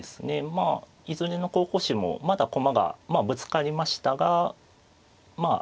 まあいずれの候補手もまだ駒がまあぶつかりましたがまあ